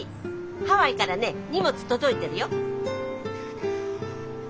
ハワイからね荷物届いてるよ。